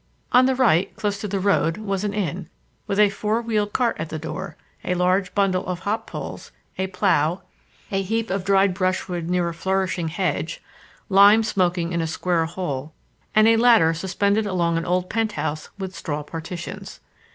On the right, close to the road, was an inn, with a four wheeled cart at the door, a large bundle of hop poles, a plough, a heap of dried brushwood near a flourishing hedge, lime smoking in a square hole, and a ladder suspended along an old penthouse with straw partitions.